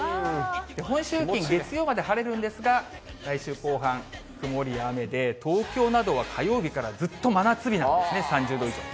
本州付近、月曜まで晴れるんですが、来週後半、曇りや雨で、東京などは火曜日からずっと真夏日なんですね、３０度以上。